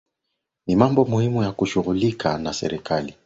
Ni mambo muhimu ya kushughulikiwa na serikali